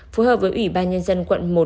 phù hợp với ủy ban nhân dân quận một